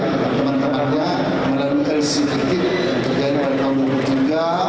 dengan teman temannya melalui resikotik yang terjadi pada tahun dua ribu tiga